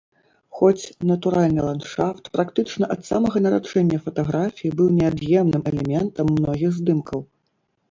Хоць натуральны ландшафт практычна ад самага нараджэння фатаграфіі быў неад'емным элементам многіх здымкаў.